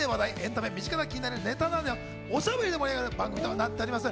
エンタメ、身近で気になるネタまで、おしゃべりで盛り上がる番組となっております。